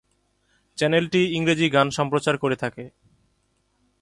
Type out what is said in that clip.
চ্যানেলটি ইংরেজি গান সম্প্রচার করে থাকে।